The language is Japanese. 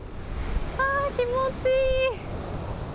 気持ちいい。